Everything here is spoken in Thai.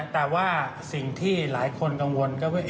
แต่ว่าสิ่งที่หลายคนกังวลก็คือ